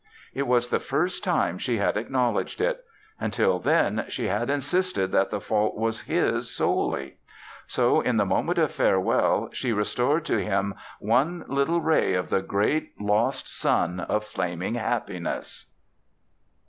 It was the first time she had acknowledged it; until then she had insisted that the fault was his solely. So in the moment of farewell she restored to him one little ray of the great, lost sun of flaming happiness.